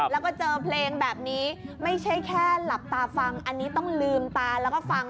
แล้วก็เจอเพลงแบบนี้ไม่ใช่แค่หลับตาฟังอันนี้ต้องลืมตาแล้วก็ฟัง